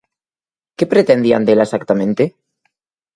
Que pretendían dela exactamente?